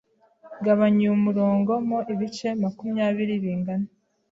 Gabanya uyu murongo mo ibice makumyabiri bingana.